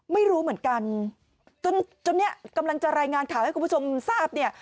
ไม่รู้เหมือนกันจนจนเนี่ยกำลังจะรายงานข่าวให้คุณผู้ชมทราบเนี่ย